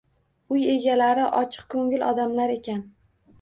Uy egalari ochiq ko`ngil odamlar ekan